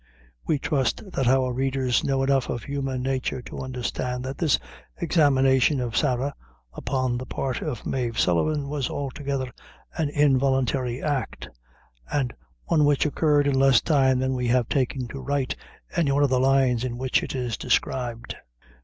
We trust that our readers know enough of human nature, to understand that this examination of Sarah, upon the part of Mave Sullivan, was altogether an involuntary act, and one which occurred in less time than we have taken to write any one of the lines in which it is described.